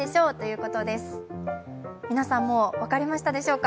皆さん、もう分かりましたでしょうか。